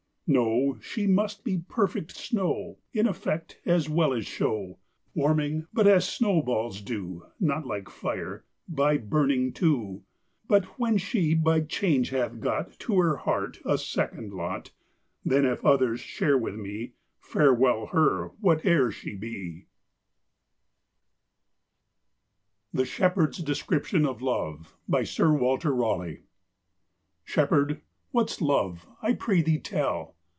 No; she must be perfect snow, In effect as well as show; Warming, but as snowballs do, Not like fire, by burning too; But when she by change hath got To her heart a second lot, Then if others share with me, Farewell her, whate'er she be! Sir Walter Raleigh. THE SHEPHERD'S DESCRIPTION OF LOVE. "Shepherd, what's love? I pray thee tell!"